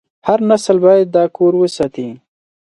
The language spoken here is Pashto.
هر نسل باید دا کور وساتي.